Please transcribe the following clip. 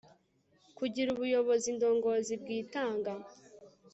kugira ubuyoboziindongozi bwitanga